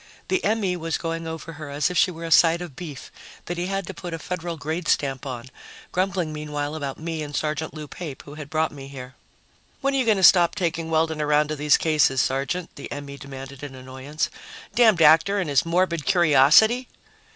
The M.E. was going over her as if she were a side of beef that he had to put a federal grade stamp on, grumbling meanwhile about me and Sergeant Lou Pape, who had brought me here. "When are you going to stop taking Weldon around to these cases, Sergeant?" the M.E. demanded in annoyance. "Damned actor and his morbid curiosity!"